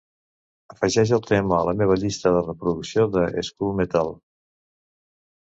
Afegeix el tema a la meva llista de reproducció de "school metal"